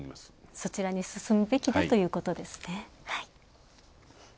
そちらに進むべきだということですね。